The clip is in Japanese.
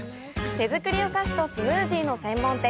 手作りお菓子とスムージーの専門店。